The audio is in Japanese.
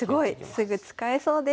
すぐ使えそうです。